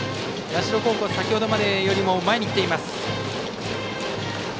社高校、先ほどよりも前に来ています。